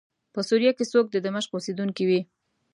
په سوریه کې څوک د دمشق اوسېدونکی وي.